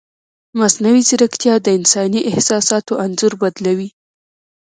مصنوعي ځیرکتیا د انساني احساساتو انځور بدلوي.